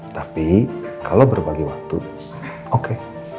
tapi kalau berbagi waktu oke